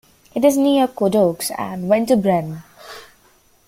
It is near Coudoux and Ventabren.